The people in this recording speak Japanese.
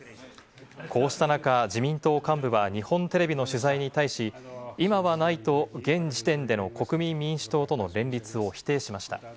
こうした中、自民党幹部は日本テレビの取材に対し、今はないと現時点での国民民主党との連立を否定しました。